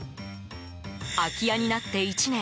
空き家になって１年。